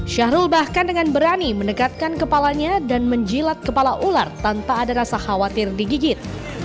syahrul bahkan dengan berani mendekatkan kepalanya dan menjilat kepala ular tanpa ada rasa khawatir digigit